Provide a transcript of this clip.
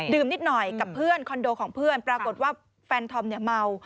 นิดหน่อยกับเพื่อนคอนโดของเพื่อนปรากฏว่าแฟนธอมเนี่ยเมา